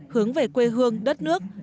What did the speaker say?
hướng về quê hương đất nước